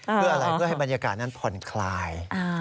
เพื่ออะไรเพื่อให้บรรยากาศนั้นผ่อนคลาย